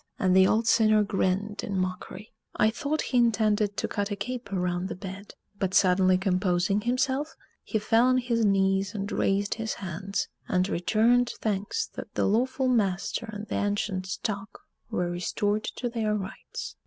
and the old sinner grinned in mockery. I thought he intended to cut a caper round the bed; but suddenly composing himself, he fell on his knees and raised his hands, and returned thanks that the lawful master and the ancient stock were restored to their rights.